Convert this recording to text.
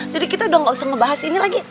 jadi kita udah gak usah ngebahas ini lagi